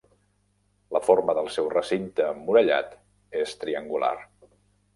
La forma del seu recinte emmurallat és triangular.